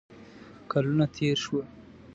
کلونه تیر شوه